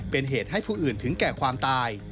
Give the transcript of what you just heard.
เป็นเหตุให้ผู้อื่นถึงแก่ความตาย